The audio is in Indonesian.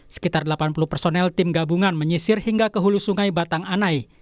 sekitar delapan puluh personel tim gabungan menyisir hingga ke hulu sungai batang anai